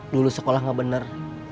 dulu sekolah gak bener